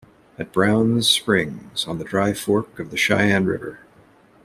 At Brown's Springs, on the dry fork of the Cheyenne River.